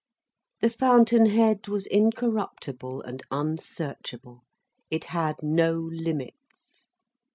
The fountain head was incorruptible and unsearchable. It had no limits.